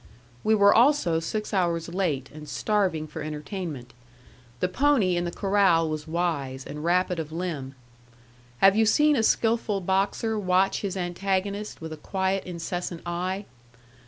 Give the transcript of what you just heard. We were also six hours late, and starving for entertainment. The pony in the corral was wise, and rapid of limb. Have you seen a skilful boxer watch his antagonist with a quiet, incessant eye?